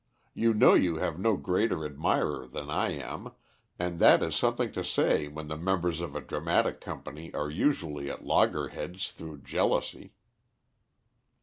You know you have no greater admirer than I am, and that is something to say when the members of a dramatic company are usually at loggerheads through jealousy."